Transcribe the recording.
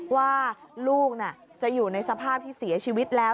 ว่าลูกจะอยู่ในสภาพที่เสียชีวิตแล้ว